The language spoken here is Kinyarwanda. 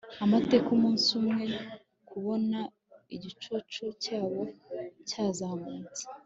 amateka, umunsi umwe, kubona igicucu cyabo cyazamutse